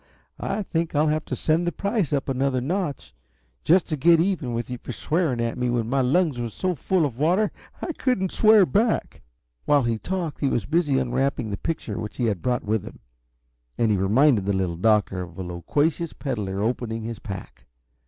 I think I'll have to send the price up another notch, just to get even with you for swearing at me when my lungs were so full of water I couldn't swear back!" While he talked he was busy unwrapping the picture which he had brought with him, and he reminded the Little Doctor of a loquacious peddler opening his pack.